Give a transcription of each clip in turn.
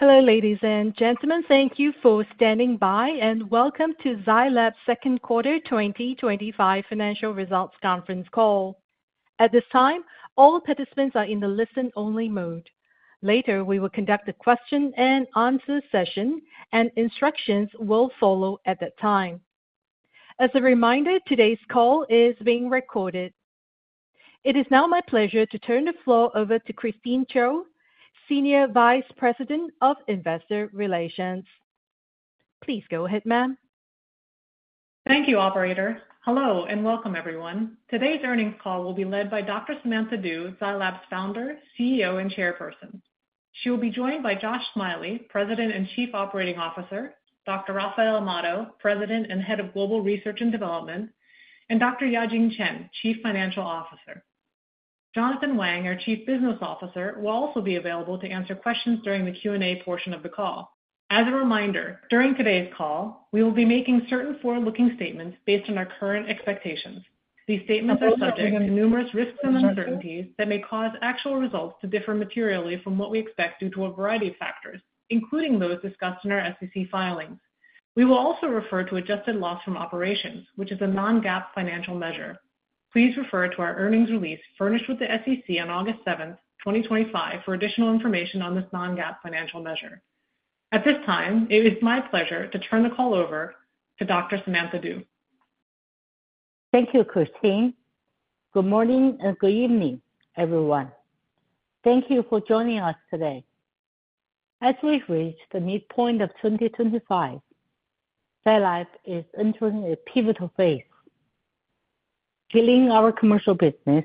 Hello, ladies and gentlemen. Thank you for standing by and welcome to Zai Lab's Second Quarter 2025 financial results conference call. At this time, all participants are in the listen-only mode. Later, we will conduct a question and answer session, and instructions will follow at that time. As a reminder, today's call is being recorded. It is now my pleasure to turn the floor over to Christine Chiou, Senior Vice President of Investor Relations. Please go ahead, ma'am. Thank you, Operator. Hello and welcome, everyone. Today's earnings call will be led by Dr. Samantha Du, Zai Lab's Founder, CEO, and Chairperson. She will be joined by Josh Smiley, President and Chief Operating Officer, Dr. Rafael Amado, President and Head of Global Research and Development, and Dr. Yajing Chen, Chief Financial Officer. Jonathan Wang, our Chief Business Officer, will also be available to answer questions during the Q&A portion of the call. As a reminder, during today's call, we will be making certain forward-looking statements based on our current expectations. These statements are subject to numerous risks and uncertainties that may cause actual results to differ materially from what we expect due to a variety of factors, including those discussed in our SEC filing. We will also refer to adjusted loss from operations, which is a non-GAAP financial measure. Please refer to our earnings release furnished with the SEC on August 7, 2025, for additional information on this non-GAAP financial measure. At this time, it is my pleasure to turn the call over to Dr. Samantha Du. Thank you, Christine. Good morning and good evening, everyone. Thank you for joining us today. As we've reached the midpoint of 2025, Zai Lab is entering a pivotal phase, scaling our commercial business,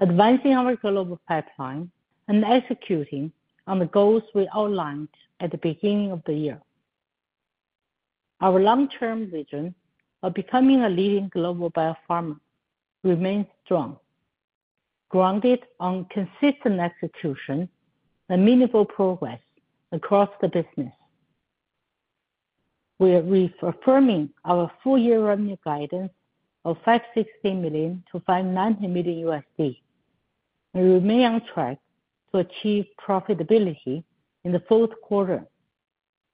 advancing our global pipeline, and executing on the goals we outlined at the beginning of the year. Our long-term vision of becoming a leading global biopharma remains strong, grounded on consistent execution and meaningful progress across the business. We are reaffirming our full-year revenue guidance of $560 million-$590 million, and we remain on track to achieve profitability in the fourth quarter,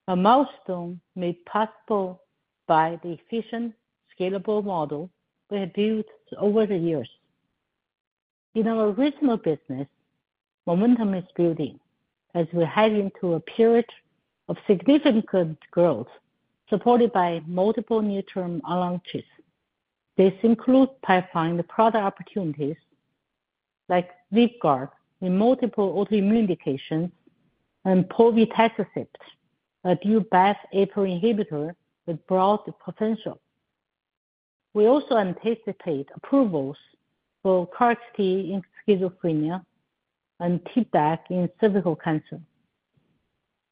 a milestone made possible by the efficient, scalable model we have built over the years. In our original business, momentum is building as we head into a period of significant growth, supported by multiple new term launches. This includes pipeline product opportunities like Vyvgart in multiple autoimmune indications and [ZL-6201] a dual-path APO inhibitor with broad potential. We also anticipate approvals for KarXT in schizophrenia and TIDVAK in cervical cancer,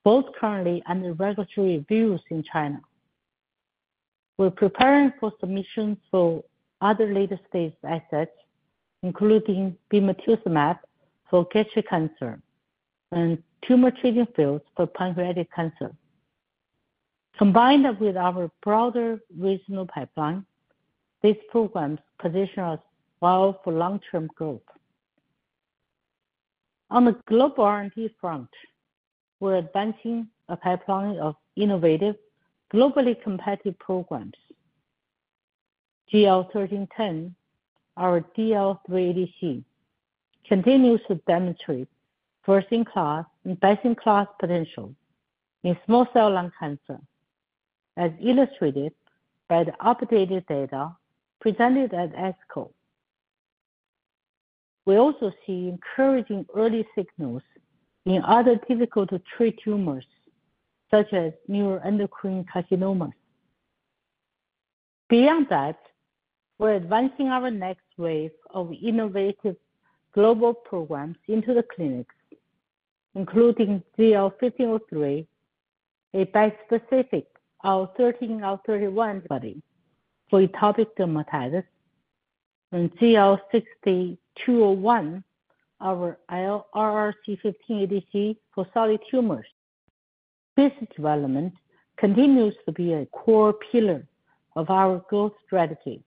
both currently under regulatory reviews in China. We're preparing for submissions for other late-stage assets, including bemarituzumab for gastric cancer and Tumor Treating Fields for pancreatic cancer. Combined with our broader regional pipeline, this program positions us well for long-term growth. On the global R&D front, we're advancing a pipeline of innovative, globally competitive programs. ZL-1310, our DLL3 ADC, continues to demonstrate first-in-class and best-in-class potential in small cell lung cancer, as illustrated by the updated data presented at ASCO. We also see encouraging early signals in other difficult-to-treat tumors, such as neuroendocrine carcinomas. Beyond that, we're advancing our next wave of innovative global programs into the clinic, including ZL-1503, a bispecific IL-13/IL-31 antibody study for atopic dermatitis, and ZL-6201, our LRRC15 ADC for solid tumors. This development continues to be a core pillar of our growth strategy.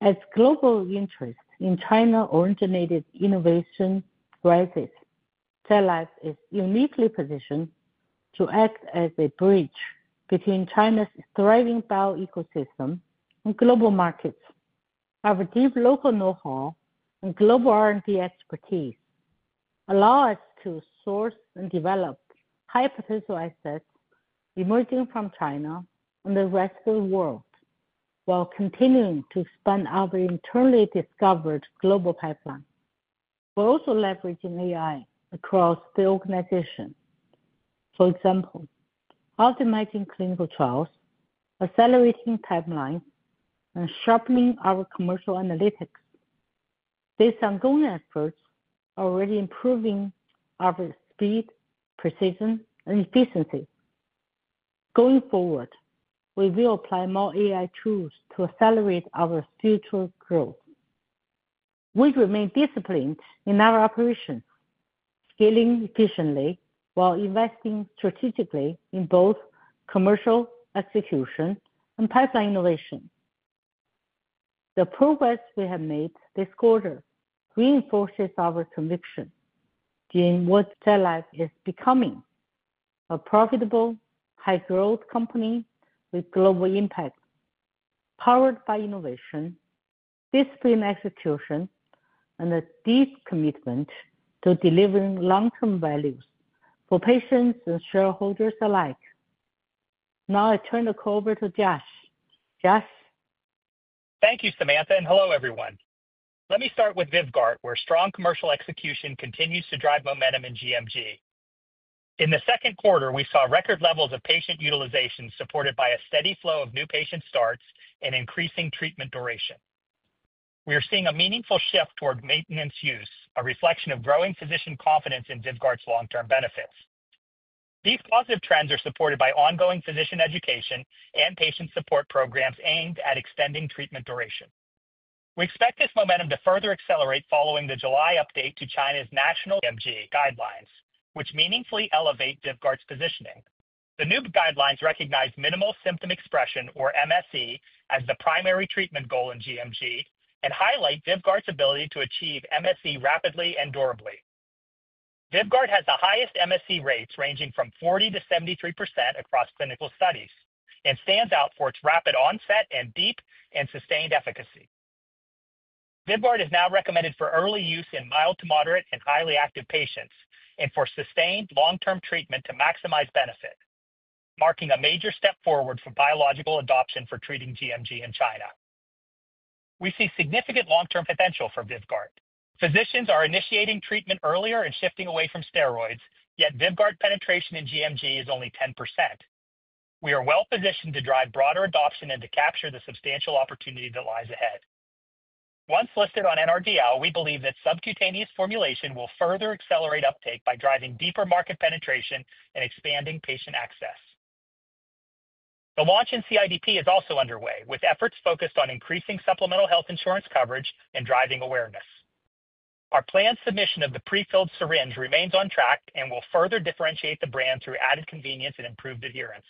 As global interest in China-oriented innovation rises, Zai Lab is uniquely positioned to act as a bridge between China's thriving bioecosystem and global markets. Our deep local know-how and global R&D expertise allow us to source and develop high-potential assets emerging from China and the rest of the world, while continuing to expand our internally discovered global pipeline. We're also leveraging AI across the organization. For example, optimizing clinical trials, accelerating pipelines, and sharpening our commercial analytics. These ongoing efforts are already improving our speed, precision, and efficiency. Going forward, we will apply more AI tools to accelerate our future growth. We remain disciplined in our operations, scaling efficiently while investing strategically in both commercial execution and pipeline innovation. The progress we have made this quarter reinforces our conviction in what Zai Lab is becoming: a profitable, high-growth company with global impact, powered by innovation, disciplined execution, and a deep commitment to delivering long-term value for patients and shareholders alike. Now, I turn the call over to Josh. Josh? Thank you, Samantha, and hello, everyone. Let me start with Vyvgart, where strong commercial execution continues to drive momentum in GMG. In the second quarter, we saw record levels of patient utilization, supported by a steady flow of new patient starts and increasing treatment duration. We are seeing a meaningful shift toward maintenance use, a reflection of growing physician confidence in Vyvgart's long-term benefits. These positive trends are supported by ongoing physician education and patient support programs aimed at extending treatment duration. We expect this momentum to further accelerate following the July update to China's national MG guidelines, which meaningfully elevate Vyvgart's positioning. The new guidelines recognize minimal symptom expression, or MSE, as the primary treatment goal in GMG and highlight Vyvgart's ability to achieve MSE rapidly and durably. Vyvgart has the highest MSE rates, ranging from 40%-73% across clinical studies, and stands out for its rapid onset and deep and sustained efficacy. Vyvgart is now recommended for early use in mild to moderate and highly active patients and for sustained long-term treatment to maximize benefit, marking a major step forward for biological adoption for treating GMG in China. We see significant long-term potential for Vyvgart. Physicians are initiating treatment earlier and shifting away from steroids, yet Vyvgart penetration in GMG is only 10%. We are well positioned to drive broader adoption and to capture the substantial opportunity that lies ahead. Once listed on NRDL, we believe that subcutaneous formulation will further accelerate uptake by driving deeper market penetration and expanding patient access. The launch in CIDP is also underway, with efforts focused on increasing supplemental health insurance coverage and driving awareness. Our planned submission of the prefilled syringe remains on track and will further differentiate the brand through added convenience and improved adherence.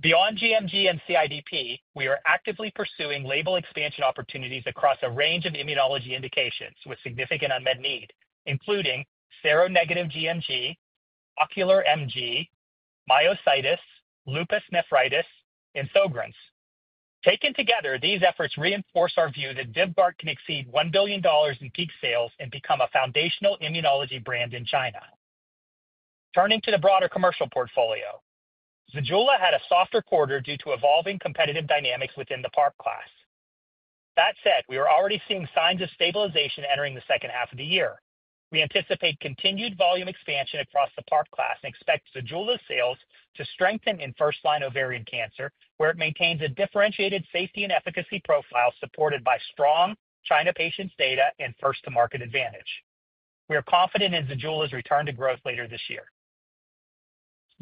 Beyond GMG and CIDP, we are actively pursuing label expansion opportunities across a range of immunology indications with significant unmet need, including seronegative GMG, ocular MG, myositis, lupus nephritis, and SOGRANS. Taken together, these efforts reinforce our view that Vyvgart can exceed $1 billion in peak sales and become a foundational immunology brand in China. Turning to the broader commercial portfolio, Zejula had a softer quarter due to evolving competitive dynamics within the PARP class. That said, we are already seeing signs of stabilization entering the second half of the year. We anticipate continued volume expansion across the PARP class and expect Zejula's sales to strengthen in first-line ovarian cancer, where it maintains a differentiated safety and efficacy profile supported by strong China patients' data and first-to-market advantage. We are confident in Zejula's return to growth later this year.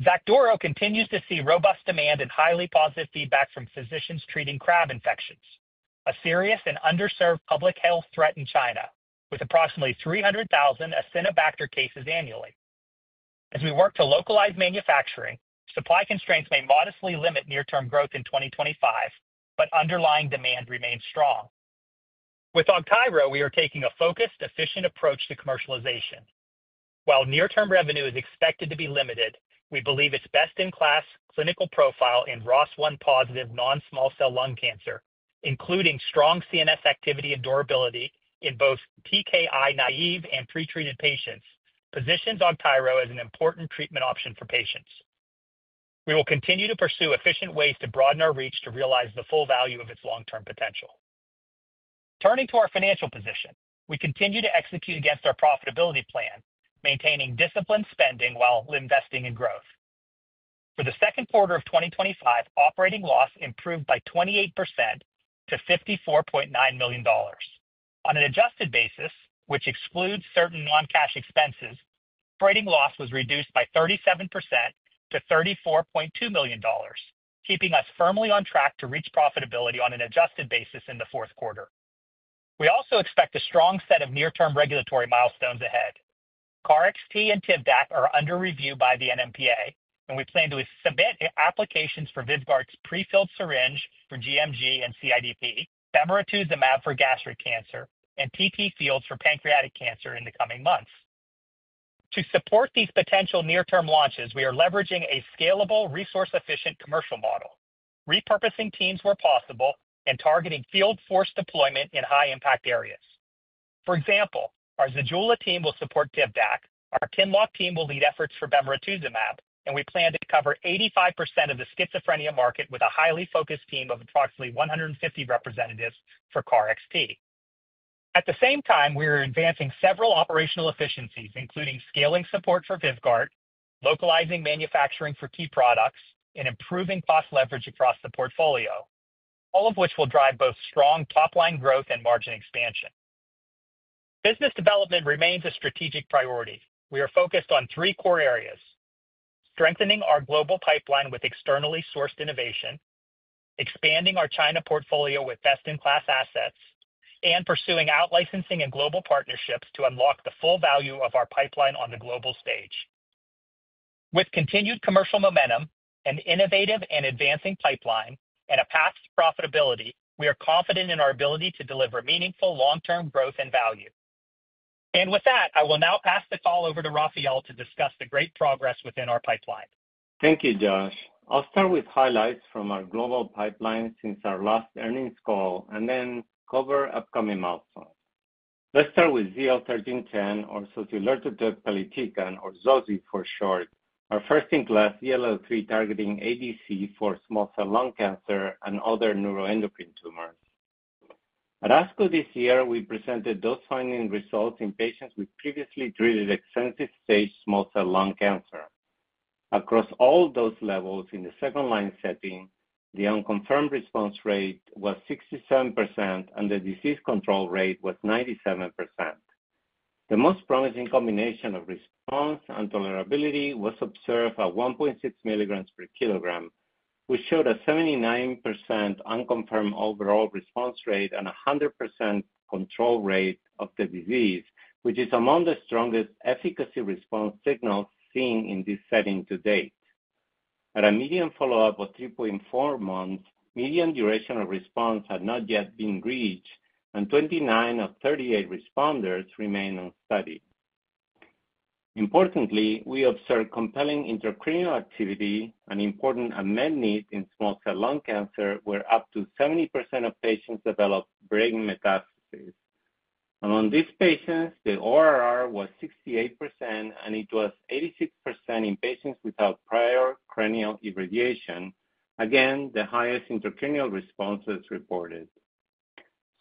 Xacduro continues to see robust demand and highly positive feedback from physicians treating CRAB infections, a serious and underserved public health threat in China, with approximately 300,000 Acinetobacter cases annually. As we work to localize manufacturing, supply constraints may modestly limit near-term growth in 2025, but underlying demand remains strong. With Augtyro, we are taking a focused, efficient approach to commercialization. While near-term revenue is expected to be limited, we believe its best-in-class clinical profile in ROS1 positive non-small cell lung cancer, including strong CNS activity and durability in both TKI-naive and pretreated patients, positions Augtyro as an important treatment option for patients. We will continue to pursue efficient ways to broaden our reach to realize the full value of its long-term potential. Turning to our financial position, we continue to execute against our profitability plan, maintaining disciplined spending while investing in growth. For the second quarter of 2025, operating loss improved by 28% to $54.9 million. On an adjusted basis, which excludes certain non-cash expenses, operating loss was reduced by 37% to $34.2 million, keeping us firmly on track to reach profitability on an adjusted basis in the fourth quarter. We also expect a strong set of near-term regulatory milestones ahead. KarXT and TIDVAK are under review by the NMPA, and we plan to submit applications for Vyvgart's prefilled syringe for GMG and CIDP, bemarituzumab for gastric cancer, and TTFields for pancreatic cancer in the coming months. To support these potential near-term launches, we are leveraging a scalable, resource-efficient commercial model, repurposing teams where possible, and targeting field-force deployment in high-impact areas. For example, our Zejula team will support TIDVAK, our Qinlock team will lead efforts for bemarituzumab, and we plan to cover 85% of the schizophrenia market with a highly focused team of approximately 150 representatives for KarXT. At the same time, we are advancing several operational efficiencies, including scaling support for Vyvgart, localizing manufacturing for key products, and improving cost leverage across the portfolio, all of which will drive both strong top-line growth and margin expansion. Business development remains a strategic priority. We are focused on three core areas: strengthening our global pipeline with externally sourced innovation, expanding our China portfolio with best-in-class assets, and pursuing out-licensing and global partnerships to unlock the full value of our pipeline on the global stage. With continued commercial momentum, an innovative and advancing pipeline, and a path to profitability, we are confident in our ability to deliver meaningful long-term growth and value. I will now pass the call over to Rafael to discuss the great progress within our pipeline. Thank you, Josh. I'll start with highlights from our global pipeline since our last earnings call and then cover upcoming milestones. Let's start with ZL-1310, OR zocilutatug pelitecan, or ZOSI for short, our first-in-class DLL3-targeting ADC for small cell lung cancer and other neuroendocrine tumors. At ASCO this year, we presented those findings in patients with previously treated extensive-stage small cell lung cancer. Across all dose levels in the second-line setting, the unconfirmed response rate was 67% and the disease control rate was 97%. The most promising combination of response and tolerability was observed at 1.6 mg/kg, which showed a 79% unconfirmed overall response rate and a 100% control rate of the disease, which is among the strongest efficacy response signals seen in this setting to date. At a median follow-up of 3.4 months, median duration of response had not yet been reached, and 29 of 38 responders remain on study. Importantly, we observed compelling intracranial activity and important unmet needs in small cell lung cancer, where up to 70% of patients develop brain metastases. Among these patients, the ORR was 68%, and it was 86% in patients without prior cranial irradiation. Again, the highest intracranial response was reported.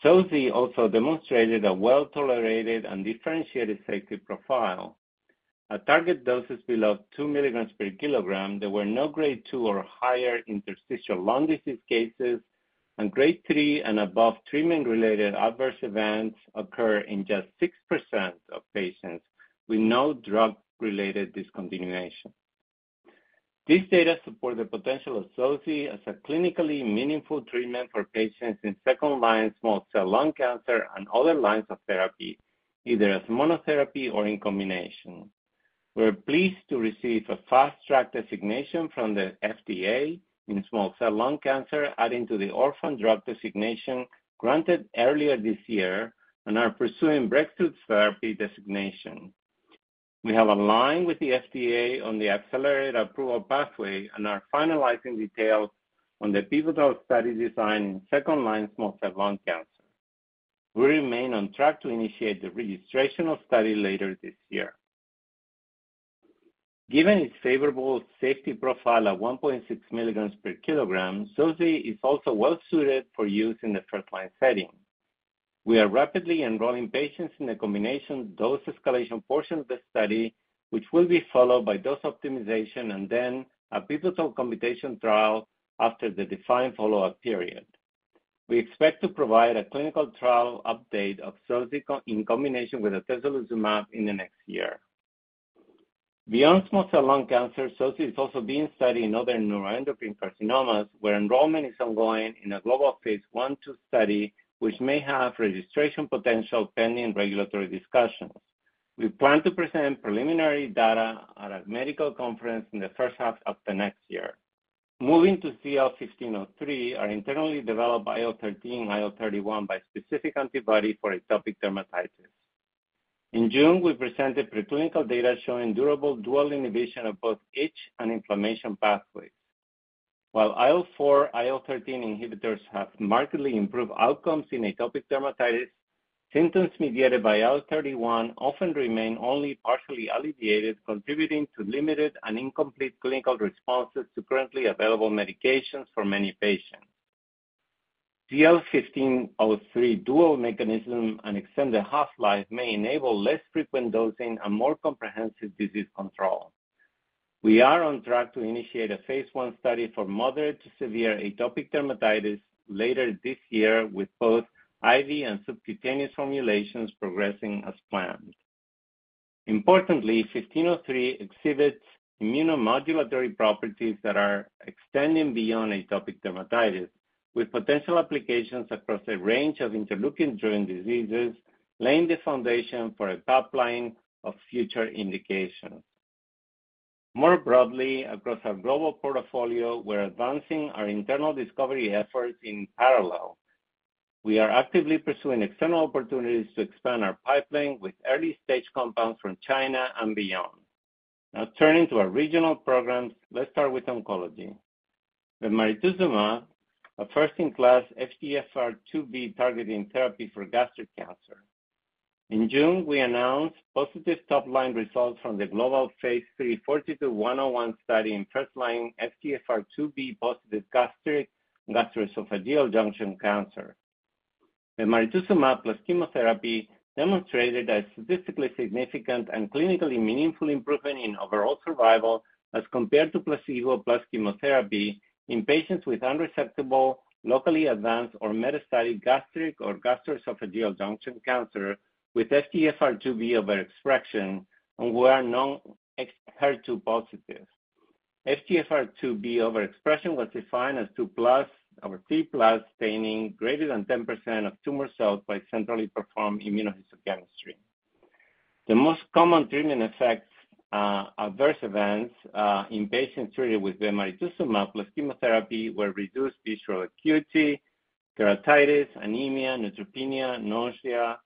ZOSI also demonstrated a well-tolerated and differentiated safety profile. At target doses below 2 mg/kg, there were no Grade 2 or higher interstitial lung disease cases, and Grade 3 and above treatment-related adverse events occurred in just 6% of patients with no drug-related discontinuation. This data supports the potential of ZOSI as a clinically meaningful treatment for patients in second-line small cell lung cancer and other lines of therapy, either as monotherapy or in combination. We're pleased to receive a Fast Track designation from the FDA in small cell lung cancer, adding to the orphan drug designation granted earlier this year, and are pursuing breakthrough therapy designation. We have aligned with the FDA on the accelerated approval pathway and are finalizing details on the pivotal study design in second-line small cell lung cancer. We remain on track to initiate the registration studies later this year. Given its favorable safety profile at 1.6 mg/kg, ZOSI is also well-suited for use in the first-line setting. We are rapidly enrolling patients in the combination dose escalation portion of the study, which will be followed by dose optimization and then a pivotal combination trial after the defined follow-up period. We expect to provide a clinical trial update of [ZL-1310] in combination with atezolizumab in the next year. Beyond small cell lung cancer, ZOSI is also being studied in other neuroendocrine carcinomas, where enrollment is ongoing in a global Phase 1/2 study, which may have registration potential pending regulatory discussions. We plan to present preliminary data at a medical conference in the first half of the next year. Moving to ZL-1503, our internally developed IL-13 and IL-31 bispecific antibody for atopic dermatitis. In June, we presented preclinical data showing durable dual inhibition of both itch and inflammation pathways. While IL-4 and IL-13 inhibitors have markedly improved outcomes in atopic dermatitis, symptoms mediated by IL-31 often remain only partially alleviated, contributing to limited and incomplete clinical responses to currently available medications for many patients. ZL-1503's dual mechanism and extended half-life may enable less frequent dosing and more comprehensive disease control. We are on track to initiate a Phase 1 study for moderate to severe atopic dermatitis later this year, with both IV and subcutaneous formulations progressing as planned. Importantly, ZL-1503 exhibits immunomodulatory properties that are extending beyond atopic dermatitis, with potential applications across a range of interleukin-driven diseases, laying the foundation for a pipeline of future indications. More broadly, across our global portfolio, we're advancing our internal discovery efforts in parallel. We are actively pursuing external opportunities to expand our pipeline with early-stage compounds from China and beyond. Now, turning to our regional programs, let's start with oncology. Bemarituzumab, a first-in-class FGFR2b-targeting therapy for gastric cancer. In June, we announced positive top-line results from the global Phase 3 42101 study in first-line FGFR2b+ gastric/gastroesophageal junction cancer. Bemarituzumab plus chemotherapy demonstrated a statistically significant and clinically meaningful improvement in overall survival as compared to placebo plus chemotherapy in patients with unresectable, locally advanced, or metastatic gastric or gastroesophageal junction cancer with FGFR2b overexpression and who were non-HER2 positive. FGFR2b overexpression was defined as 2+ or 3+, staining greater than 10% of tumor cells by centrally performed immunohistochemistry. The most common treatment effects, adverse events, in patients treated with bemarituzumab plus chemotherapy were reduced visual acuity, keratitis, anemia, neutropenia, nausea,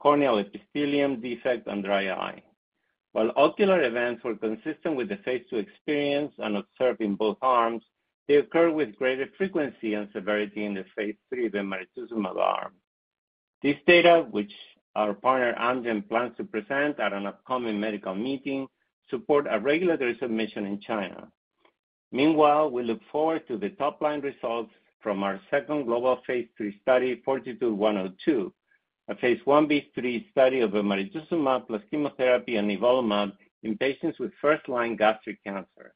corneal epithelium defect, and dry eye. While ocular events were consistent with the Phase 2 experience and observed in both arms, they occurred with greater frequency and severity in the Phase 3 bemarituzumab arm. This data, which our partner Amgen plans to present at an upcoming medical meeting, supports a regulatory submission in China. Meanwhile, we look forward to the top-line results from our second global Phase 3 study, 42102, a Phase 1b3 study of bemarituzumab plus chemotherapy and nivolumab in patients with first-line gastric cancer.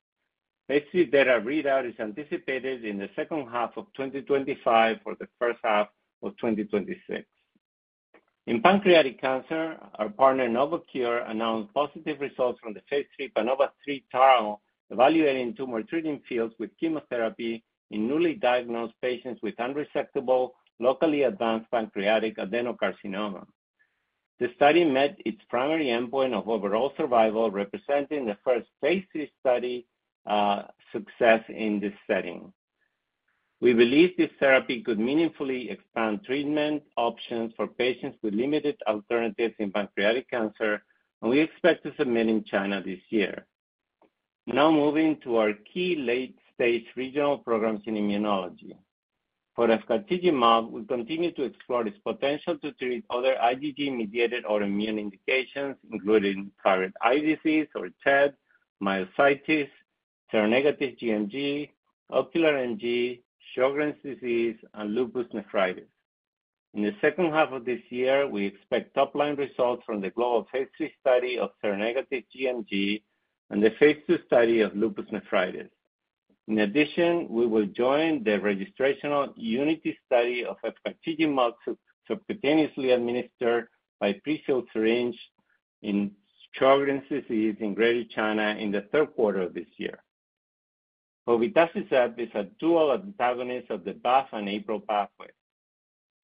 Phase 3 data readout is anticipated in the second half of 2025 or the first half of 2026. In pancreatic cancer, our partner Novocure announced positive results from the Phase 3 PANOVA-3 trial evaluating Tumor Treating Fields with chemotherapy in newly diagnosed patients with unresectable, locally advanced pancreatic adenocarcinoma. The study met its primary endpoint of overall survival, representing the first Phase 3 study success in this setting. We believe this therapy could meaningfully expand treatment options for patients with limited alternatives in pancreatic cancer, and we expect to submit in China this year. Now, moving to our key late-stage regional programs in immunology. For esclartizumab, we continue to explore its potential to treat other IgG-mediated autoimmune indications, including Thyroid Eye Disease or TED, myositis, seronegative GMG, ocular MG, Sjögren's disease, and lupus nephritis. In the second half of this year, we expect top-line results from the global Phase 3 study of seronegative GMG and the Phase 2 study of lupus nephritis. In addition, we will join the registration of unit study of esclartizumab subcutaneously administered by prefilled syringe in Sjögren's disease in Greater China in the third quarter of this year. Povetacicept is a dual antagonist of the BAFF and APRIL pathway.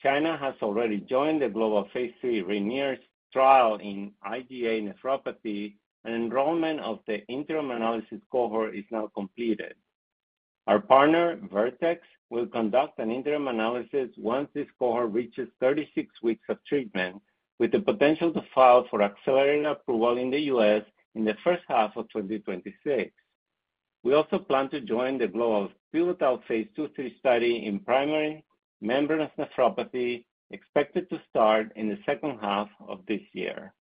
China has already joined the global Phase 3 RAINIER trial in IgA nephropathy, and enrollment of the interim analysis cohort is now completed. Our partner, Vertex, will conduct an interim analysis once this cohort reaches 36 weeks of treatment, with the potential to file for accelerated approval in the U.S. in the first half of 2026. We also plan to join the global pivotal Phase 2/3 study in primary membranous nephropathy, expected to start in the second half of this year.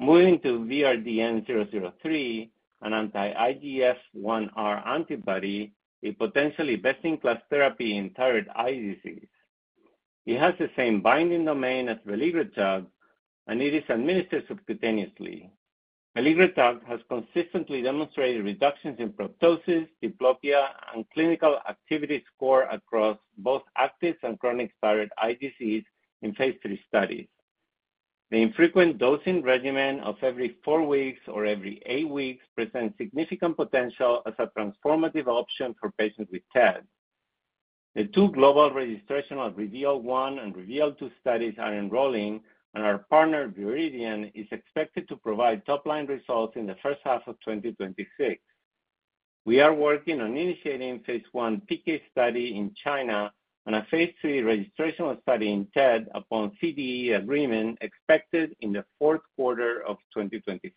Moving to VRDN-003, an anti-IGF-1R antibody, a potentially best-in-class therapy in thyroid eye disease. It has the same binding domain as Veligrotug, and it is administered subcutaneously. Veligrotug has consistently demonstrated reductions in proptosis, diplopia, and clinical activity score across both active and chronic thyroid eye disease in Phase 3 studies. The infrequent dosing regimen of every four weeks or every eight weeks presents significant potential as a transformative option for patients with TED. The two global registrational REVEAL-1 and REVEAL-2 studies are enrolling, and our partner Viridian is expected to provide top-line results in the first half of 2026. We are working on initiating Phase 1 PK study in China and a Phase 3 registration study in TED upon CDE agreement expected in the fourth quarter of 2025.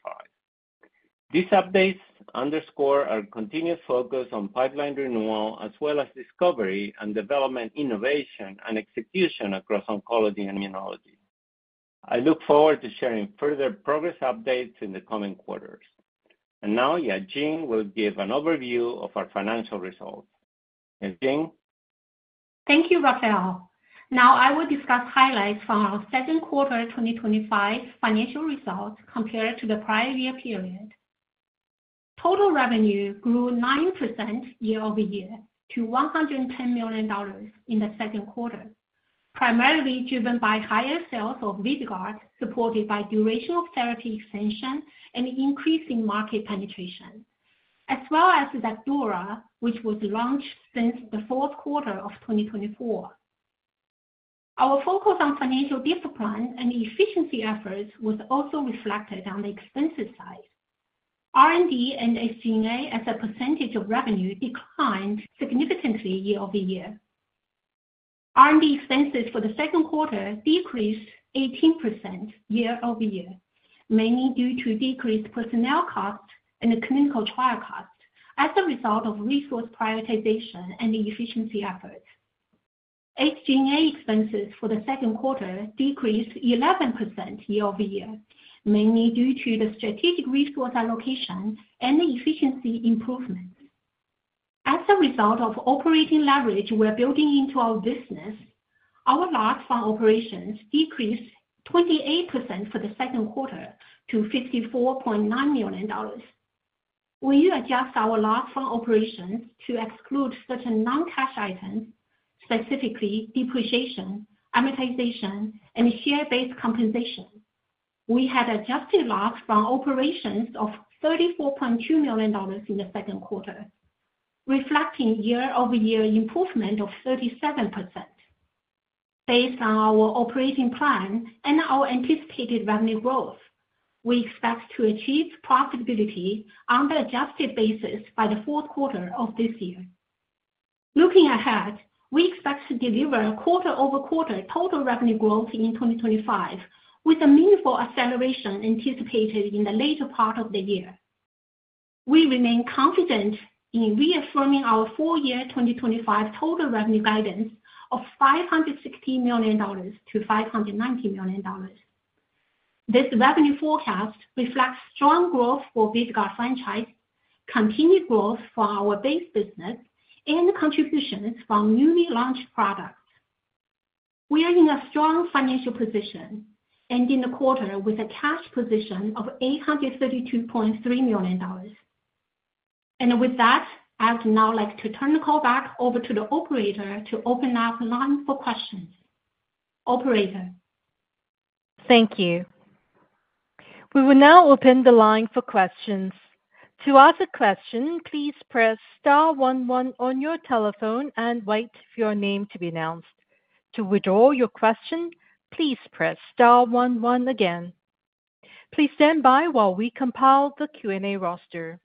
These updates underscore our continued focus on pipeline renewal as well as discovery and development innovation and execution across oncology and immunology. I look forward to sharing further progress updates in the coming quarters. Yajing will give an overview of our financial results. Yajing? Thank you, Rafael. Now, I will discuss highlights from our second quarter 2025 financial results compared to the prior year period. Total revenue grew 9% year over year to $110 million in the second quarter, primarily driven by higher sales of Vyvgart, supported by duration of therapy extension and increasing market penetration, as well as Xacduro, which was launched since the fourth quarter of 2024. Our focus on financial discipline and efficiency efforts was also reflected on the expense side. R&D and SG&A as a percentage of revenue declined significantly year over year. R&D expenses for the second quarter decreased 18% year over year, mainly due to decreased personnel costs and clinical trial costs as a result of resource prioritization and efficiency efforts. SG&A expenses for the second quarter decreased 11% year over year, mainly due to strategic resource allocation and efficiency improvement. As a result of operating leverage we're building into our business, our loss from operations decreased 28% for the second quarter to $54.9 million. We adjust our loss from operations to exclude certain non-cash items, specifically depreciation, amortization, and share-based compensation. We had adjusted loss from operations of $34.2 million in the second quarter, reflecting year over year improvement of 37%. Based on our operating plan and our anticipated revenue growth, we expect to achieve profitability on the adjusted basis by the fourth quarter of this year. Looking ahead, we expect to deliver quarter-over-quarter total revenue growth in 2025, with a meaningful acceleration anticipated in the later part of the year. We remain confident in reaffirming our full-year 2025 total revenue guidance of $560 million-$590 million. This revenue forecast reflects strong growth for the Vyvgart franchise, continued growth for our base business, and contributions from newly launched products. We are in a strong financial position, ending the quarter with a cash position of $832.3 million. With that, I would now like to turn the call back over to the operator to open up the line for questions. Operator? Thank you. We will now open the line for questions. To ask a question, please press star one one on your telephone and wait for your name to be announced. To withdraw your question, please press star one one again. Please stand by while we compile the Q&A roster.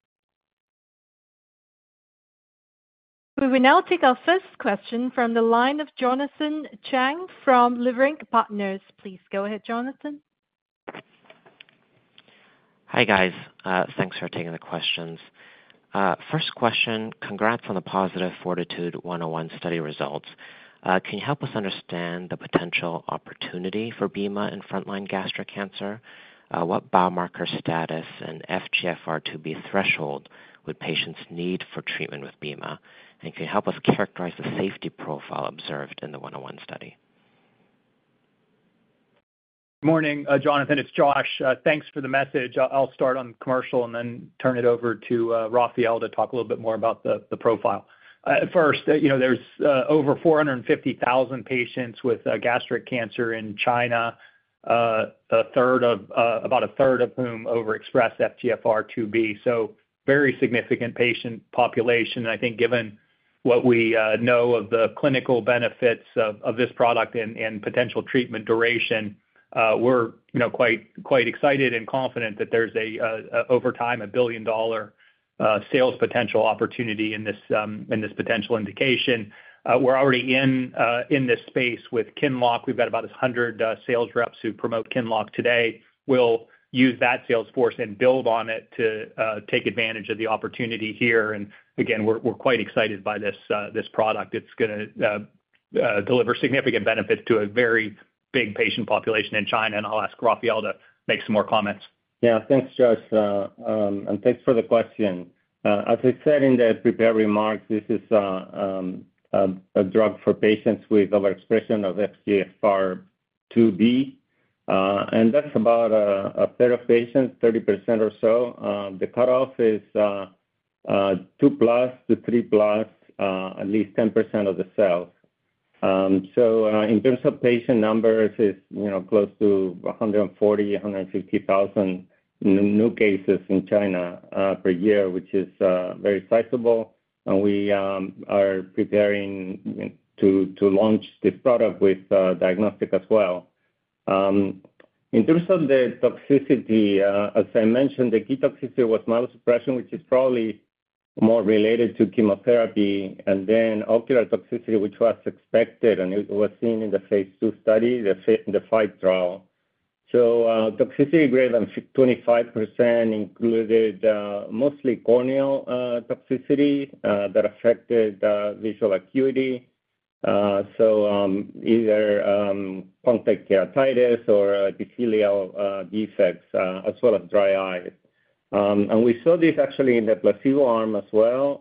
We will now take our first question from the line of Jonathan Chang from Leerink Partners. Please go ahead, Jonathan. Hi guys, thanks for taking the questions. First question, congrats on the positive FORTITUDE-101 study results. Can you help us understand the potential opportunity for bema in first-line gastric cancer? What biomarker status and FGFR2b threshold would patients need for treatment with bema? Can you help us characterize the safety profile observed in the 101 study? Morning, Jonathan. It's Josh. Thanks for the message. I'll start on the commercial and then turn it over to Rafael to talk a little bit more about the profile. First, you know, there's over 450,000 patients with gastric cancer in China, about a third of whom overexpress FGFR2b. Very significant patient population. I think given what we know of the clinical benefits of this product and potential treatment duration, we're quite excited and confident that there's, over time, a billion dollar sales potential opportunity in this potential indication. We're already in this space with Qinlock. We've got about 100 sales reps who promote Qinlock today. We'll use that sales force and build on it to take advantage of the opportunity here. We're quite excited by this product. It's going to deliver significant benefits to a very big patient population in China. I'll ask Rafael to make some more comments. Yeah, thanks, Josh, and thanks for the question. As I said in the prepared remarks, this is a drug for patients with overexpression of FGFR2b. That's about a third of patients, 30% or so. The cutoff is 2+ to 3+, at least 10% of the cells. In terms of patient numbers, it's close to 140,000, 150,000 new cases in China per year, which is very sizable. We are preparing to launch this product with diagnostics as well. In terms of the toxicity, as I mentioned, the key toxicity was myelosuppression, which is probably more related to chemotherapy, and then ocular toxicity, which was expected and it was seen in the Phase 2 study, the PHYTE trial. Toxicity greater than 25% included mostly corneal toxicity that affected visual acuity, either punctate keratitis or epithelial defects, as well as dry eyes. We saw this actually in the placebo arm as well,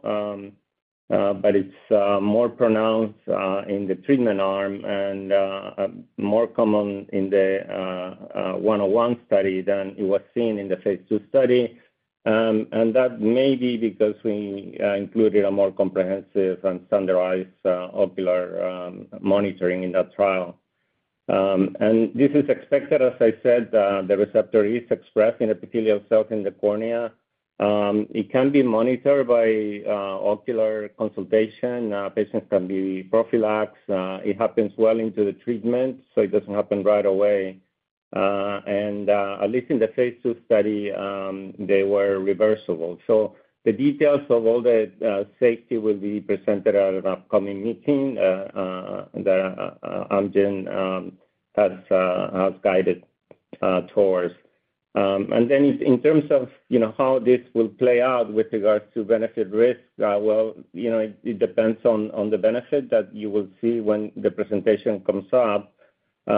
but it's more pronounced in the treatment arm and more common in the 101 study than it was seen in the Phase 2 study. That may be because we included a more comprehensive and standardized ocular monitoring in that trial. This is expected, as I said, the receptor is expressed in epithelial cells in the cornea. It can be monitored by ocular consultation. Patients can be prophylaxed. It happens well into the treatment, so it doesn't happen right away. At least in the Phase 2 study, they were reversible. The details of all the safety will be presented at an upcoming meeting that Amgen has guided towards. In terms of how this will play out with regards to benefit risk, it depends on the benefit that you will see when the presentation comes up. These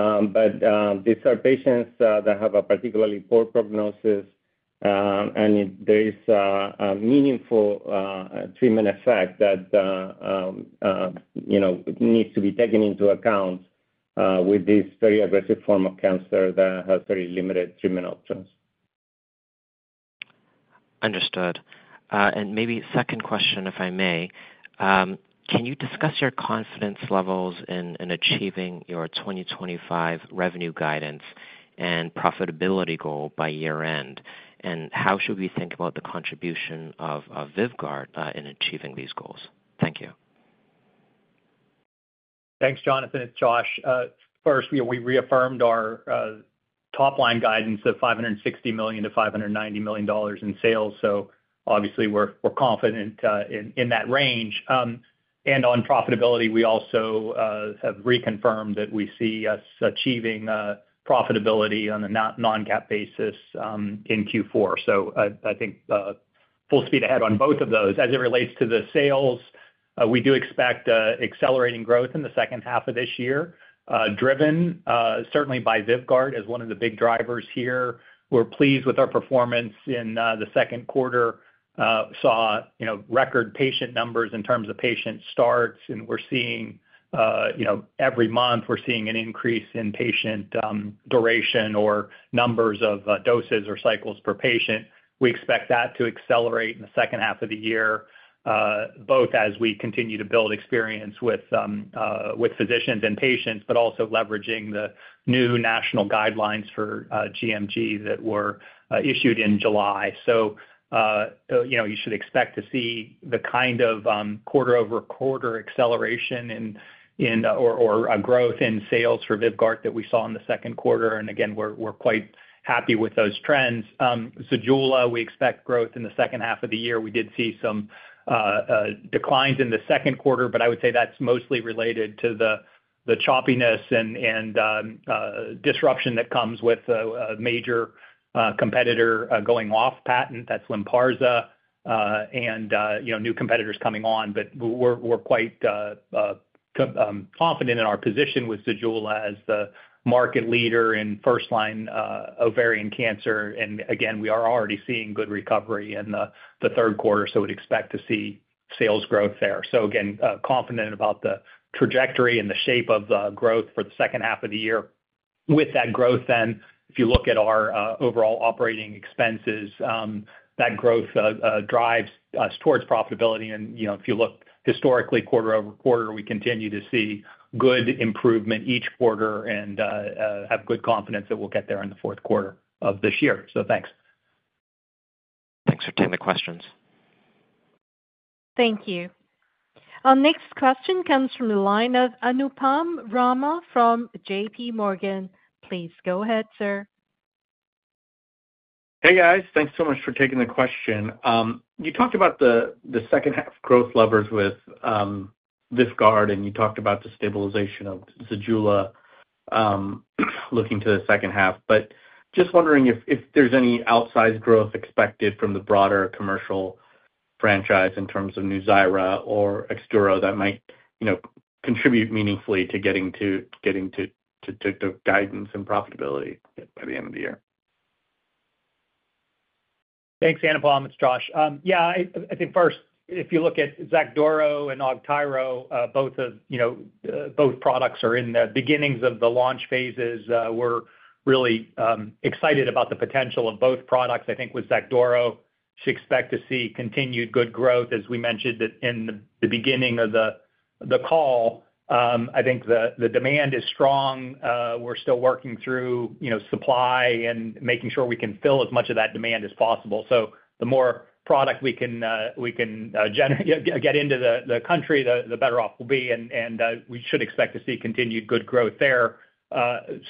are patients that have a particularly poor prognosis, and there is a meaningful treatment effect that needs to be taken into account with this very aggressive form of cancer that has very limited treatment options. Understood. Maybe second question, if I may. Can you discuss your confidence levels in achieving your 2025 revenue guidance and profitability goal by year end? How should we think about the contribution of Vyvgart in achieving these goals? Thank you. Thanks, Jonathan. It's Josh. First, we reaffirmed our top-line guidance of $560 million-$590 million in sales. Obviously, we're confident in that range. On profitability, we also have reconfirmed that we see us achieving profitability on a non-GAAP basis in Q4. I think full speed ahead on both of those. As it relates to the sales, we do expect accelerating growth in the second half of this year, driven certainly by Vyvgart as one of the big drivers here. We're pleased with our performance in the second quarter. We saw record patient numbers in terms of patient starts, and we're seeing every month an increase in patient duration or numbers of doses or cycles per patient. We expect that to accelerate in the second half of the year, both as we continue to build experience with physicians and patients, but also leveraging the new national guidelines for GMG that were issued in July. You should expect to see the kind of quarter-over-quarter acceleration or growth in sales for Vyvgart that we saw in the second quarter. We're quite happy with those trends. Zejula, we expect growth in the second half of the year. We did see some declines in the second quarter, but I would say that's mostly related to the choppiness and disruption that comes with a major competitor going off patent. That's Lynparza and new competitors coming on. We're quite confident in our position with Zejula as the market leader in first-line ovarian cancer. We are already seeing good recovery in the third quarter, so we'd expect to see sales growth there. We're confident about the trajectory and the shape of growth for the second half of the year. With that growth, if you look at our overall operating expenses, that growth drives us towards profitability. If you look historically quarter-over-quarter, we continue to see good improvement each quarter and have good confidence that we'll get there in the fourth quarter of this year. Thanks. Thanks for taking the questions. Thank you. Our next question comes from the line of Anupam Rama from JPMorgan. Please go ahead, sir. Hey guys, thanks so much for taking the question. You talked about the second-half growth levers with Vyvgart, and you talked about the stabilization of Zejula looking to the second half. Just wondering if there's any outsized growth expected from the broader commercial franchise in terms of Nuzyra or Xacduro that might, you know, contribute meaningfully to getting to the guidance and profitability by the end of the year. Thanks, Anupam. It's Josh. Yeah, I think first, if you look at Xacduro and Augtyro, both products are in the beginnings of the launch phases. We're really excited about the potential of both products. I think with Xacduro, we should expect to see continued good growth. As we mentioned in the beginning of the call, I think the demand is strong. We're still working through supply and making sure we can fill as much of that demand as possible. The more product we can get into the country, the better off we'll be. We should expect to see continued good growth there,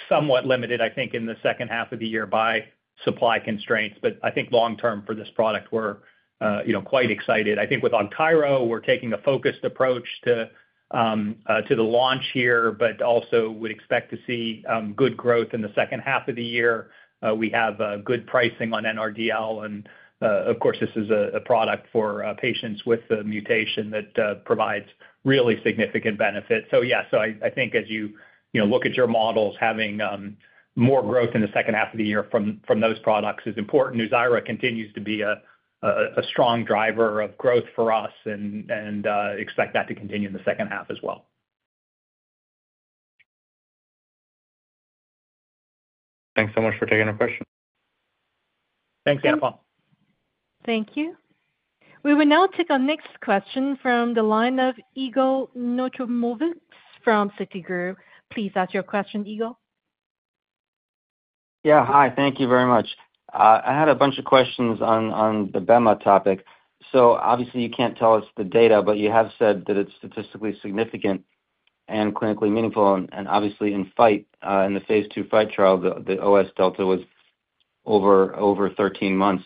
somewhat limited, I think, in the second half of the year by supply constraints. I think long-term for this product, we're quite excited. I think with Augtyro, we're taking a focused approach to the launch here, but also would expect to see good growth in the second half of the year. We have good pricing on NRDL, and of course, this is a product for patients with the mutation that provides really significant benefit. I think as you look at your models, having more growth in the second half of the year from those products is important. Nuzyra continues to be a strong driver of growth for us and expect that to continue in the second half as well. Thanks so much for taking the question. Thanks, Anupam. Thank you. We will now take our next question from the line of Yigal Nochomovitz from Citigroup. Please ask your question, Yigal. Yeah, hi. Thank you very much. I had a bunch of questions on the BEMA topic. Obviously, you can't tell us the data, but you have said that it's statistically significant and clinically meaningful. Obviously, in PHYTE, in the Phase 2 PHYTE trial, the OS delta was over 13 months.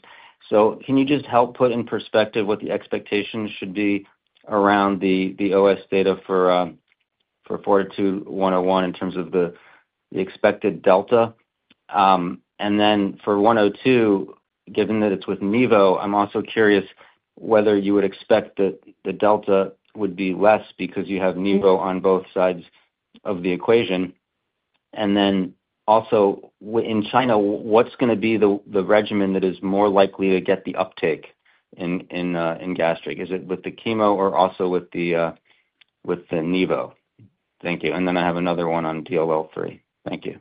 Can you just help put in perspective what the expectations should be around the OS data for FORTITUDE 101 in terms of the expected delta? For 102, given that it's with Nivo, I'm also curious whether you would expect that the delta would be less because you have Nivo on both sides of the equation. Also, in China, what's going to be the regimen that is more likely to get the uptake in gastric? Is it with the chemo or also with the Nivo? Thank you. I have another one on DLL3. Thank you.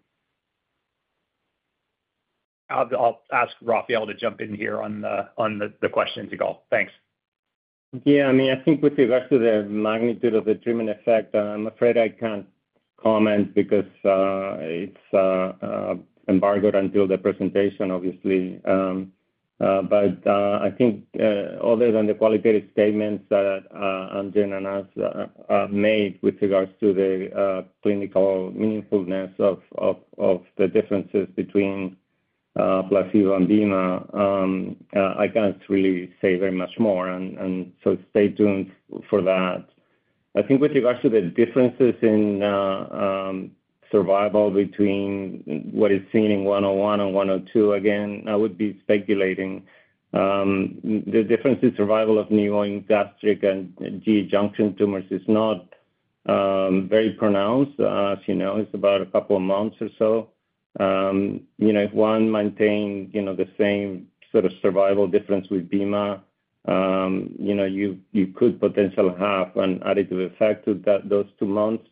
I'll ask Rafael to jump in here on the questions, Yigal. Thanks. Yeah, I mean, I think with regards to the magnitude of the treatment effect, I'm afraid I can't comment because it's embargoed until the presentation, obviously. I think other than the qualitative statements that Amgen and us made with regards to the clinical meaningfulness of the differences between placebo and BEMA, I can't really say very much more. Stay tuned for that. I think with regards to the differences in survival between what is seen in 101 and 102, again, I would be speculating. The difference in survival of neo-gastric and GE junction tumors is not very pronounced. As you know, it's about a couple of months or so. If one maintained the same sort of survival difference with BEMA, you could potentially have an additive effect to those two months.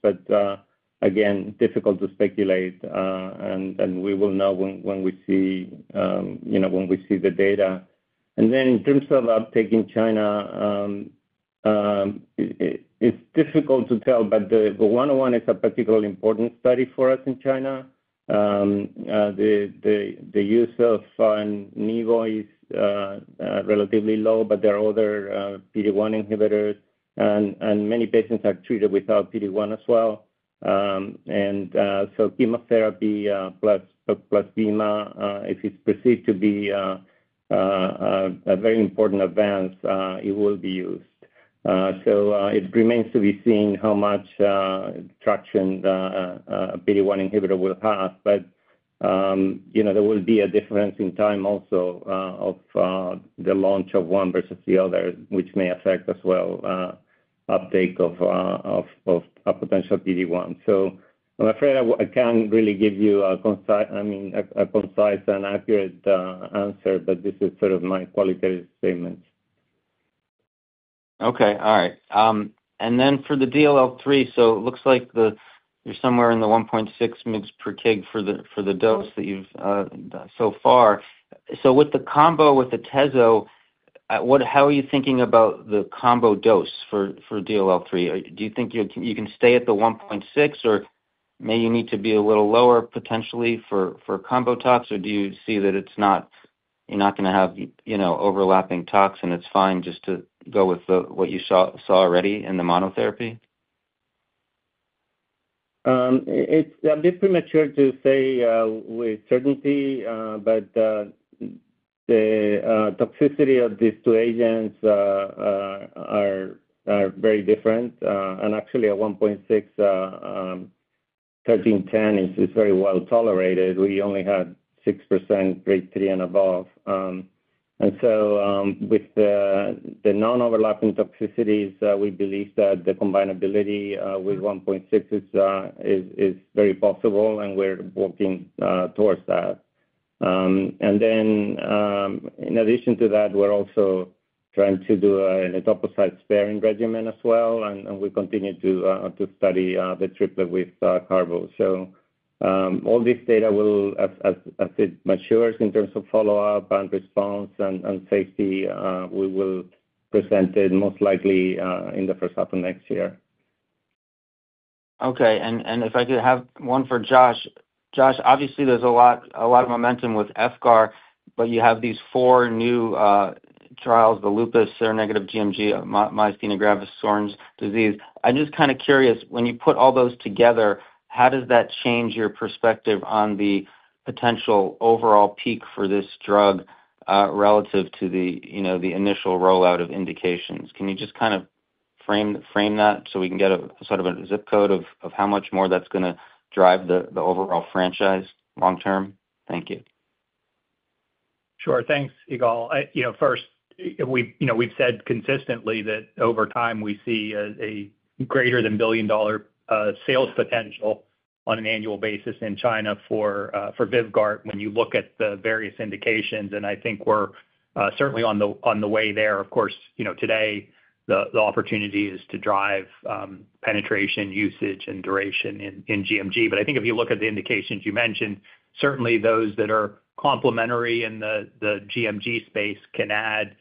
Again, difficult to speculate. We will know when we see the data. In terms of uptake in China, it's difficult to tell, but the 101 is a particularly important study for us in China. The use of Nivo is relatively low, but there are other PD-1 inhibitors, and many patients are treated without PD-1 as well. Chemotherapy plus BEMA, if it's perceived to be a very important advance, it will be used. It remains to be seen how much traction a PD-1 inhibitor will have. There will be a difference in time also of the launch of one versus the other, which may affect as well uptake of a potential PD-1. I'm afraid I can't really give you a concise and accurate answer, but this is sort of my qualitative statement. All right. For the DLL3, it looks like you're somewhere in the 1.6 mg/kg for the dose that you've had so far. With the combo with Atezo, how are you thinking about the combo dose for DLL3? Do you think you can stay at the 1.6 mg/kg or may you need to be a little lower potentially for combo tox? Do you see that you're not going to have overlapping tox and it's fine just to go with what you saw already in the monotherapy? It's a bit premature to say with certainty, but the toxicity of these two agents are very different. Actually, 1.6 mg/kg is very well tolerated. We only had 6% grade 3 and above. With the non-overlapping toxicities, we believe that the combinability with 1.6 mg/kg is very possible, and we're working towards that. In addition to that, we're also trying to do an etoposide sparing regimen as well, and we continue to study the triplet with Carbo. All this data, as it matures in terms of follow-up and response and safety, we will present it most likely in the first half of next year. Okay, and if I could have one for Josh. Josh, obviously, there's a lot of momentum with Vyvgart, but you have these four new trials: the lupus, seronegative GMG, myasthenia gravis, Sjögren's disease. I'm just kind of curious, when you put all those together, how does that change your perspective on the potential overall peak for this drug relative to the initial rollout of indications? Can you just kind of frame that so we can get a sort of a zip code of how much more that's going to drive the overall franchise long term? Thank you. Sure, thanks, Yigal. First, we've said consistently that over time we see a greater than $1 billion sales potential on an annual basis in China for Vyvgart when you look at the various indications. I think we're certainly on the way there. Of course, today the opportunity is to drive penetration, usage, and duration in GMG. I think if you look at the indications you mentioned, certainly those that are complementary in the GMG space can add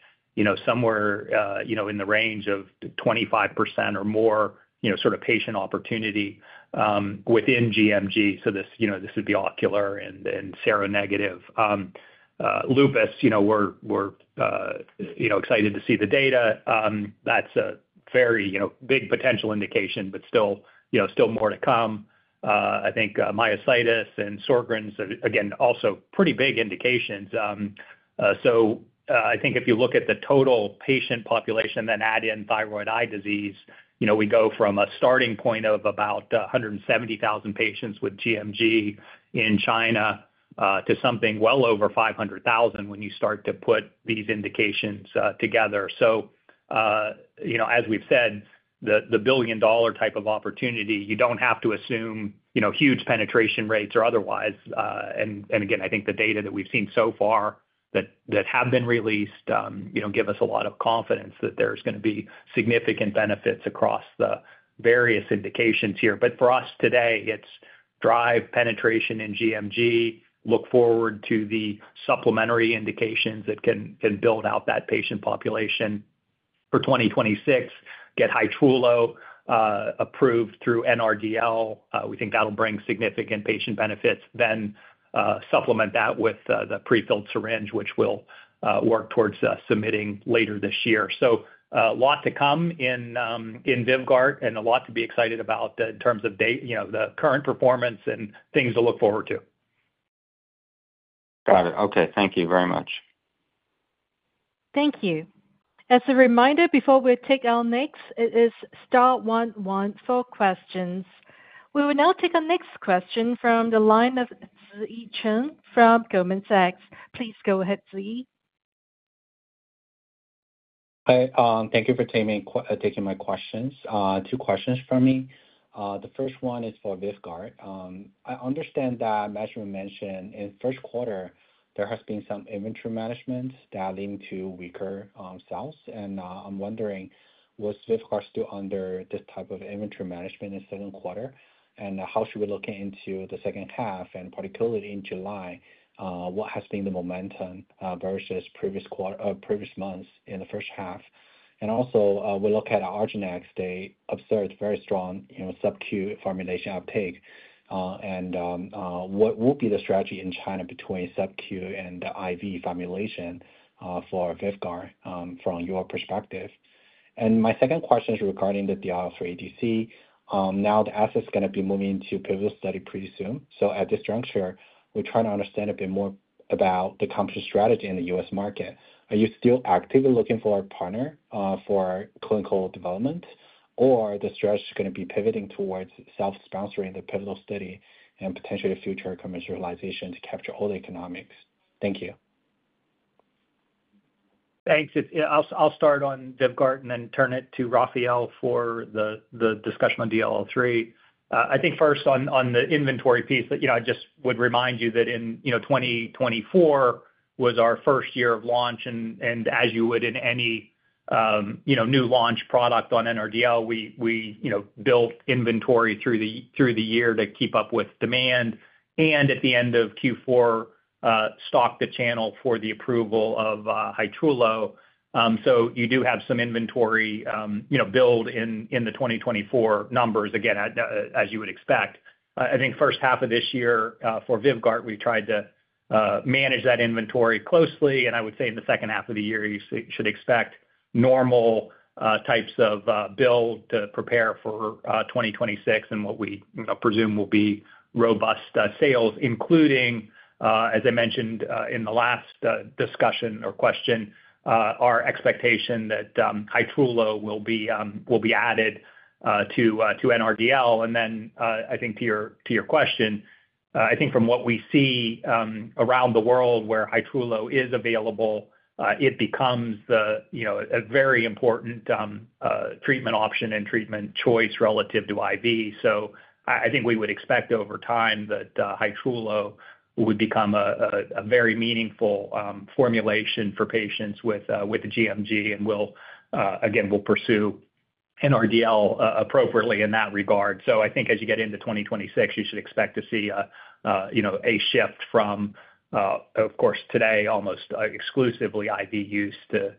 somewhere in the range of 25% or more sort of patient opportunity within GMG. This would be ocular and seronegative. Lupus, we're excited to see the data. That's a very big potential indication, but still more to come. I think myositis and Sjögren's, again, also pretty big indications. I think if you look at the total patient population, then add in thyroid eye disease, we go from a starting point of about 170,000 patients with GMG in China to something well over 500,000 when you start to put these indications together. As we've said, the $1 billion type of opportunity, you don't have to assume huge penetration rates or otherwise. I think the data that we've seen so far that have been released give us a lot of confidence that there's going to be significant benefits across the various indications here. For us today, it's drive penetration in GMG, look forward to the supplementary indications that can build out that patient population for 2026, get Hytrulo approved through NRDL. We think that'll bring significant patient benefits. Supplement that with the prefilled syringe, which we'll work towards submitting later this year. A lot to come in Vyvgart and a lot to be excited about in terms of the current performance and things to look forward to. Got it. Okay, thank you very much. Thank you. As a reminder, before we take our next, it is star one one for questions. We will now take our next question from the line of Ziyi Chen from Goldman Sachs. Please go ahead, Ziyi. Hi, thank you for taking my questions. Two questions from me. The first one is for Vyvgart. I understand that as we mentioned, in the first quarter, there has been some inventory management that led to weaker sales. I'm wondering, was Vyvgart still under this type of inventory management in the second quarter? How should we look into the second half, and particularly in July, what has been the momentum versus previous months in the first half? Also, we look at argenx. They observed very strong, you know, subcutaneous formulation uptake. What will be the strategy in China between subcutaneous and the IV formulation for Vyvgart from your perspective? My second question is regarding the DLL3 ADC. The asset is going to be moving to pivotal study pretty soon. At this juncture, we're trying to understand a bit more about the company's strategy in the U.S. market. Are you still actively looking for a partner for clinical development, or is the strategy going to be pivoting towards self-sponsoring the pivotal study and potentially future commercialization to capture all the economics? Thank you. Thanks. I'll start on Vyvgart and then turn it to Rafael for the discussion on DLL3. I think first on the inventory piece, I just would remind you that 2024 was our first year of launch. As you would in any new launch product on NRDL, we built inventory through the year to keep up with demand. At the end of Q4, we stocked the channel for the approval of Hytrulo. You do have some inventory built in the 2024 numbers, again, as you would expect. I think first half of this year for Vyvgart, we tried to manage that inventory closely. I would say in the second half of the year, you should expect normal types of build to prepare for 2026 and what we presume will be robust sales, including, as I mentioned in the last discussion or question, our expectation that Hytrulo will be added to NRDL. To your question, from what we see around the world where Hytrulo is available, it becomes a very important treatment option and treatment choice relative to IV. I think we would expect over time that Hytrulo would become a very meaningful formulation for patients with GMG. Again, we'll pursue NRDL appropriately in that regard. As you get into 2026, you should expect to see a shift from, of course, today almost exclusively IV use to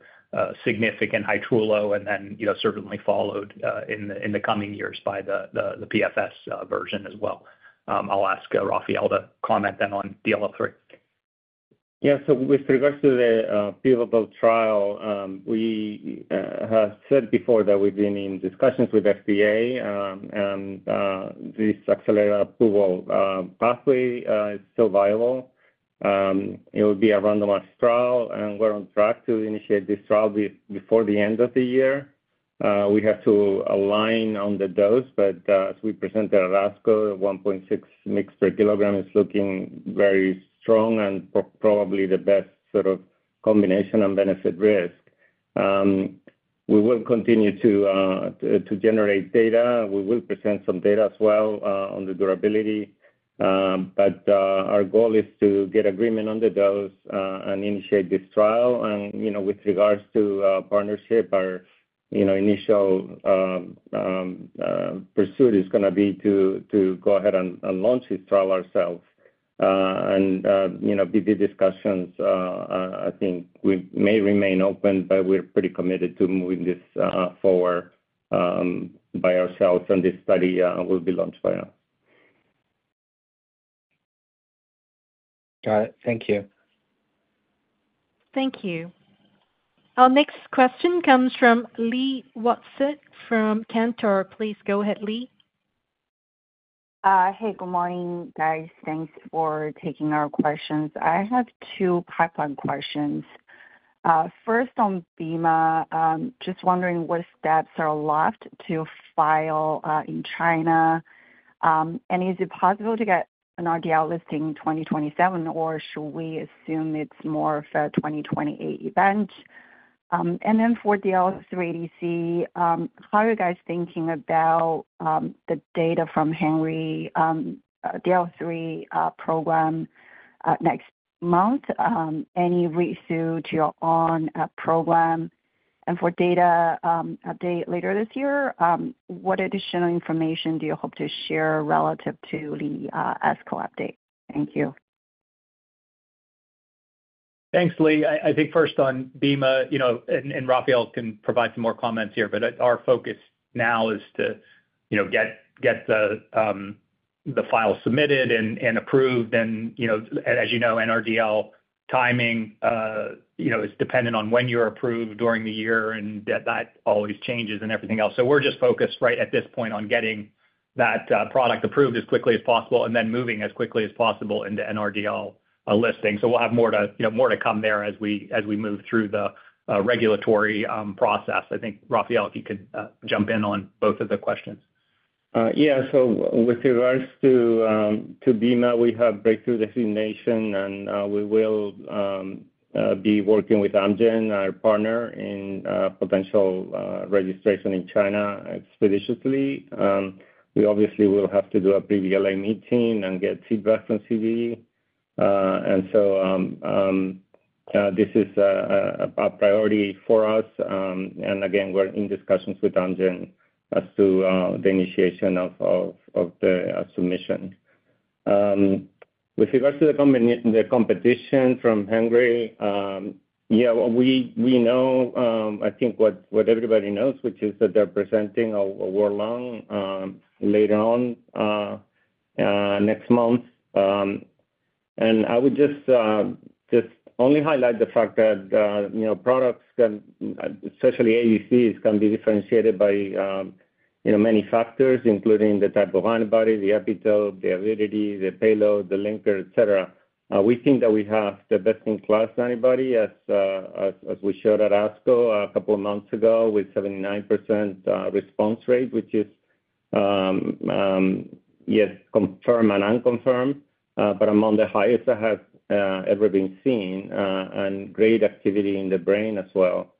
significant Hytrulo and then certainly followed in the coming years by the PFS version as well. I'll ask Rafael to comment then on DLL3. Yeah, so with regards to the pivotal trial, we have said before that we've been in discussions with the FDA, and this accelerated approval pathway is still viable. It will be a randomized trial, and we're on track to initiate this trial before the end of the year. We have to align on the dose, but as we presented at ASCO, 1.6 mg/kg is looking very strong and probably the best sort of combination and benefit-risk. We will continue to generate data. We will present some data as well on the durability. Our goal is to get agreement on the dose and initiate this trial. With regards to partnership, our initial pursuit is going to be to go ahead and launch this trial ourselves. With the discussions, I think we may remain open, but we're pretty committed to moving this forward by ourselves, and this study will be launched by us. Got it. Thank you. Thank you. Our next question comes from Li Watsek from Cantor. Please go ahead, Li. Hey, good morning guys. Thanks for taking our questions. I have two pipeline questions. First on BEMA, just wondering what steps are left to file in China. Is it possible to get an RDL listing in 2027, or should we assume it's more of a 2028 event? For DLL3 ADC, how are you guys thinking about the data from the Henry DLL3 program next month? Any resume to your own program? For the data update later this year, what additional information do you hope to share relative to the ASCO update? Thank you. Thanks, Li. I think first on BEMA, and Rafael can provide some more comments here, but our focus now is to get the file submitted and approved. As you know, NRDL timing is dependent on when you're approved during the year, and that always changes and everything else. We're just focused right at this point on getting that product approved as quickly as possible and then moving as quickly as possible into NRDL listing. We'll have more to come there as we move through the regulatory process. I think, Rafael, if you could jump in on both of the questions. Yeah, so with regards to BEMA, we have breakthrough designation, and we will be working with Amgen, our partner, in potential registration in China expeditiously. We obviously will have to do a BLA meeting and get feedback from CDE. This is a priority for us. We're in discussions with Amgen as to the initiation of the submission. With regards to the competition from Henry, we know, I think what everybody knows, which is that they're presenting a war long later on next month. I would just only highlight the fact that products that, especially ADCs, can be differentiated by many factors, including the type of antibody, the epitope, the avidity, the payload, the linker, etc. We think that we have the best-in-class antibody, as we showed at ASCO a couple of months ago with 79% response rate, which is, yes, confirmed and unconfirmed, but among the highest that has ever been seen, and great activity in the brain as well.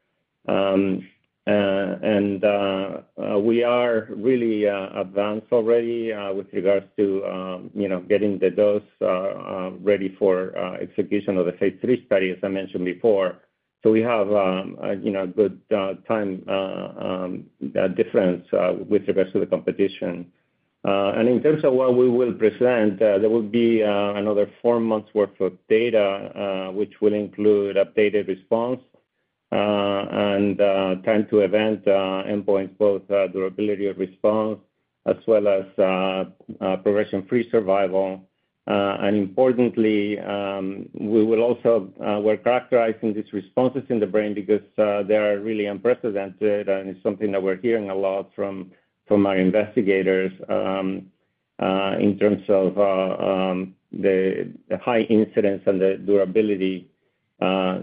We are really advanced already with regards to getting the dose ready for execution of the Phase 3 study, as I mentioned before. We have a good time difference with regards to the competition. In terms of what we will present, there will be another four months' worth of data, which will include updated response and time-to-event endpoints, both durability of response as well as progression-free survival. Importantly, we will also work characterizing these responses in the brain because they are really unprecedented, and it's something that we're hearing a lot from our investigators in terms of the high incidence and the durability. You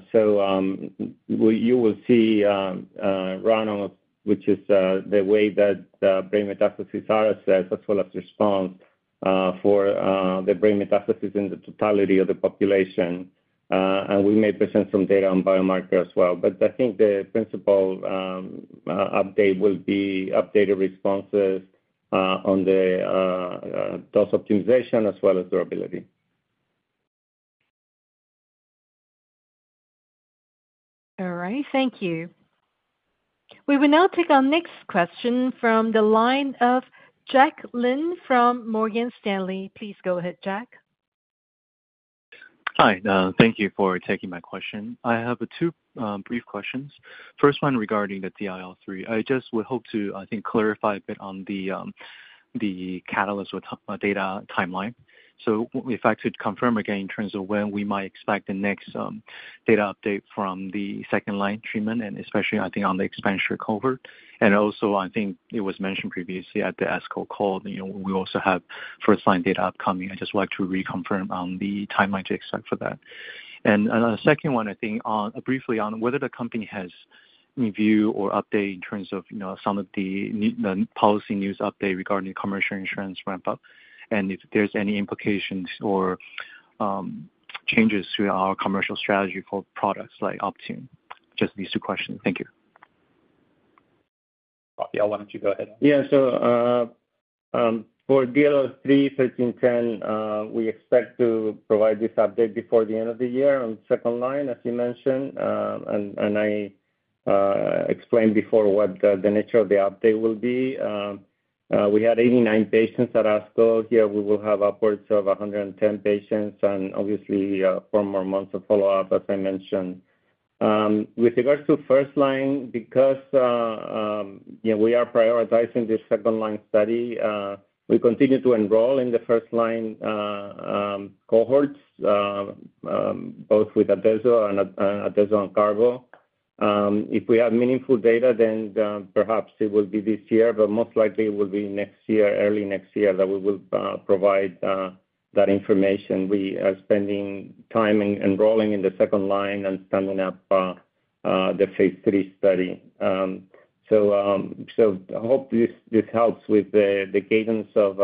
will see RANO, which is the way that brain metastases are assessed, as well as response for the brain metastases in the totality of the population. We may present some data on biomarker as well. I think the principal update will be updated responses on the dose optimization as well as durability. All right, thank you. We will now take our next question from the line of Jack Lin from Morgan Stanley. Please go ahead, Jack. Hi, thank you for taking my question. I have two brief questions. First one regarding the DLL3. I just hope to clarify a bit on the catalyst with data timeline. If I could confirm again in terms of when we might expect the next data update from the second-line treatment, especially on the expansion cohort. It was mentioned previously at the ASCO call, you know, we also have first-line data upcoming. I just like to reconfirm on the timeline to expect for that. Another second one, briefly on whether the company has reviewed or updated in terms of some of the policy news update regarding the commercial insurance ramp-up, and if there's any implications or changes to our commercial strategy for products like Optune. Just these two questions. Thank you. Rafael, why don't you go ahead? Yeah, so for DLL3 1310, we expect to provide this update before the end of the year on second line, as you mentioned. I explained before what the nature of the update will be. We had 89 patients at ASCO. Here, we will have upwards of 110 patients and obviously four more months of follow-up, as I mentioned. With regards to first line, because we are prioritizing this second-line study, we continue to enroll in the first-line cohorts, both with Atezo and Carbo. If we have meaningful data, then perhaps it will be this year, but most likely it will be next year, early next year that we will provide that information. We are spending time enrolling in the second line and standing up the Phase 3 study. I hope this helps with the cadence of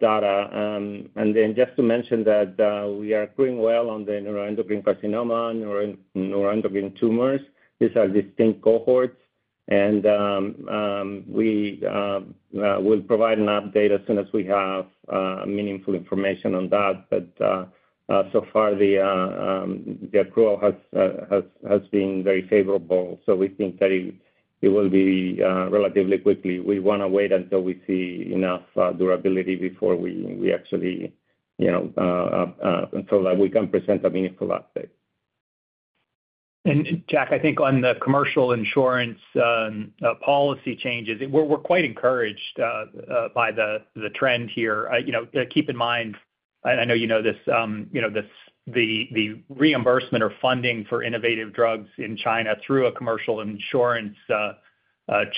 data. Just to mention that we are accruing well on the neuroendocrine carcinoma and neuroendocrine tumors. These are distinct cohorts. We will provide an update as soon as we have meaningful information on that. So far, the accrual has been very favorable. We think that it will be relatively quickly. We want to wait until we see enough durability before we actually, you know, so that we can present a meaningful update. Jack, I think on the commercial insurance policy changes, we're quite encouraged by the trend here. Keep in mind, I know you know this, the reimbursement or funding for innovative drugs in China through a commercial insurance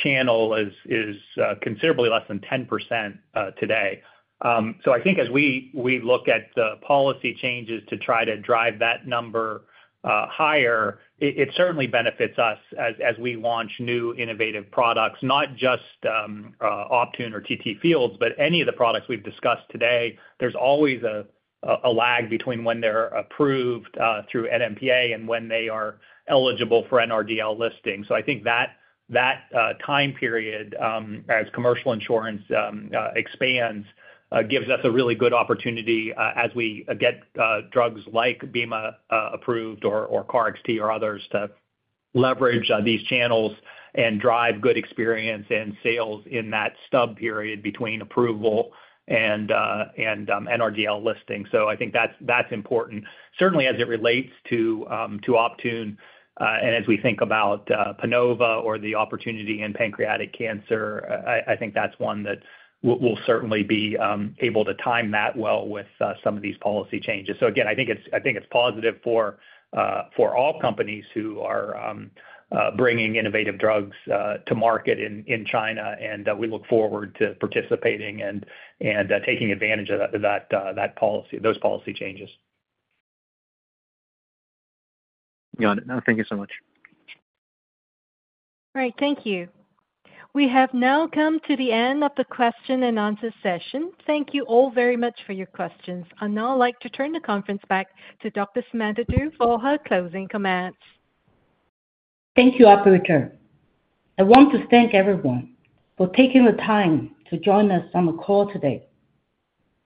channel is considerably less than 10% today. I think as we look at the policy changes to try to drive that number higher, it certainly benefits us as we launch new innovative products, not just Tumor or TTFields, but any of the products we've discussed today. There's always a lag between when they're approved through NMPA and when they are eligible for NRDL listing. I think that time period, as commercial insurance expands, gives us a really good opportunity as we get drugs like bemarituzumab approved or KarXT or others to leverage these channels and drive good experience and sales in that stub period between approval and NRDL listing. I think that's important. Certainly, as it relates to Optune and as we think about PANOVA or the opportunity in pancreatic cancer, I think that's one that we'll certainly be able to time well with some of these policy changes. I think it's positive for all companies who are bringing innovative drugs to market in China, and we look forward to participating and taking advantage of those policy changes. Got it. No, thank you so much. Great, thank you. We have now come to the end of the question and answer session. Thank you all very much for your questions. I now like to turn the conference back to Dr. Samantha Du for her closing commands. Thank you, Operator. I want to thank everyone for taking the time to join us on the call today.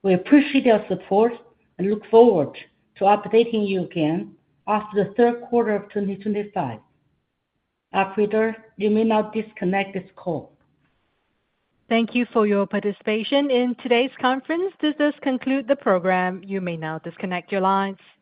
We appreciate your support and look forward to updating you again after the third quarter of 2025. Operator, you may now disconnect this call. Thank you for your participation in today's conference. This does conclude the program. You may now disconnect your lines.